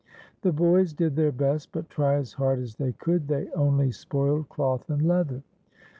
The boys did their best, but try as hard as they could, they onl\' spoiled cloth and leather.